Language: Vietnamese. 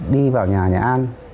đi vào nhà nhà an